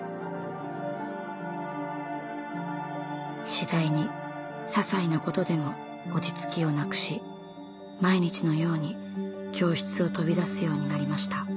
次第にささいなことでも落ち着きをなくし毎日のように教室を飛び出すようになりました。